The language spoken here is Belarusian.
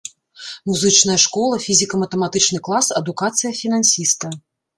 Музычная школа, фізіка-матэматычны клас, адукацыя фінансіста.